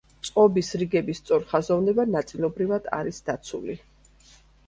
წყობის რიგების სწორხაზოვნება ნაწილობრივად არის დაცული.